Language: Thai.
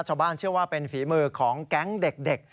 ชาวบ้านเชื่อว่าเป็นฝีมือของแก๊งเด็ก